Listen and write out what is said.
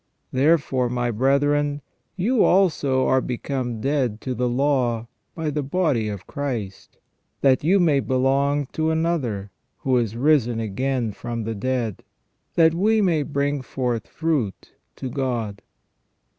... Therefore, my brethren, you also are become dead to the law by the body of Christ; that you may belong to another, who is risen again from the dead, that we may bring forth fruit to God."